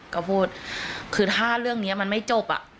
ก็พูดคือถ้าเรื่องนี้มันไม่จบ